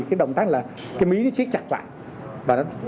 cái động tác là cái mí nó siết chặt lại